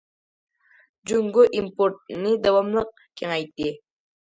جۇڭگو ئىمپورتنى داۋاملىق كېڭەيتتى.